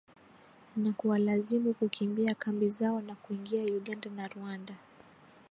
na kuwalazimu kukimbia kambi zao na kuingia Uganda na Rwanda